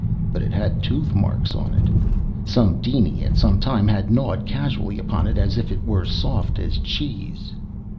But it had tooth marks on it. Some diny, at some time, had gnawed casually upon it as if it were soft as cheese.